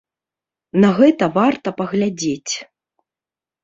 На гэта варта паглядзець.